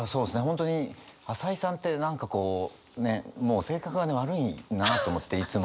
本当に朝井さんって何かこうねっもう性格が悪いなと思っていつも。